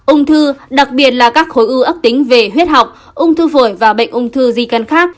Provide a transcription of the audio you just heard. ung thư đặc biệt là các khối u tính về huyết học ung thư phổi và bệnh ung thư di căn khác